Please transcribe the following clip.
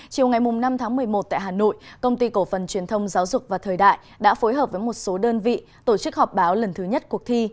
chiều ngày năm tháng một mươi một tại hà nội công ty cổ phần truyền thông giáo dục và thời đại đã phối hợp với một số đơn vị tổ chức họp báo lần thứ nhất cuộc thi